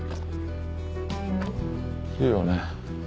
いいよね。